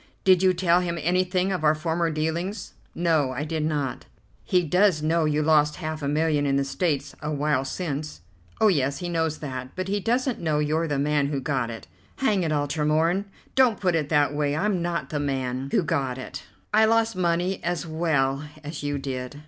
"Did you tell him anything of our former dealings?" "No, I did not." "He does know you lost half a million in the States a while since?" "Oh, yes, he knows that, but he doesn't know you're the man who got it." "Hang it all, Tremorne; don't put it that way. I'm not the man who got it; I lost money as well as you did."